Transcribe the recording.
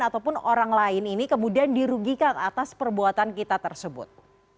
ataupun orang lain ini kemudian dirugikan atas perbuatan kita tersebut